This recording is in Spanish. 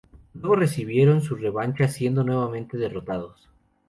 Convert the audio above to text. Luego recibieron su revancha siendo nuevamente derrotados.